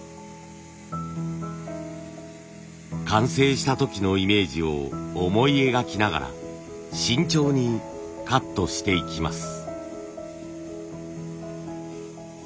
完成した時のイメージを思い描きながら慎重にカットしていきます。